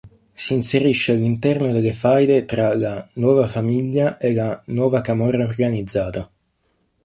Si inserisce all'interno delle faide tra la "Nuova Famiglia" e la "Nuova Camorra Organizzata".